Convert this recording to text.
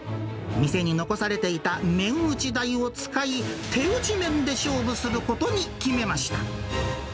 店に残されていた麺打ち台を使い、手打ち麺で勝負することに決めました。